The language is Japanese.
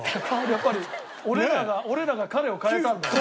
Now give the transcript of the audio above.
やっぱり俺らが俺らが彼を変えたんだよ。